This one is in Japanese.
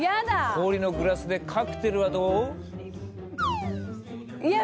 氷のグラスでカクテルはどう？